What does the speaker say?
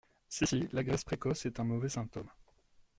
Si ! si ! la graisse précoce est un mauvais symptôme.